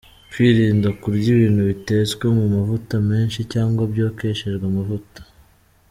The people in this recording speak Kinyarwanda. Kwirinda kurya ibintu bitetse mu mavuta menshi cyangwa byokeshejwe amavuta.